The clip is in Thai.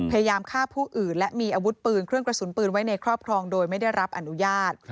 พยายามฆ่าผู้อื่นและมีอาวุธปืนเครื่องกระสุนปืนไว้ในครอบครองโดยไม่ได้รับอนุญาต